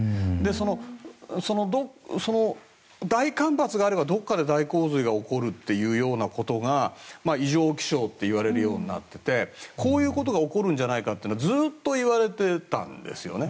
その大干ばつがあればどこかで大洪水が起こるというようなことが異常気象といわれるようになっていてこういうことが起こるんじゃないかってことはずっといわれていたんですよね。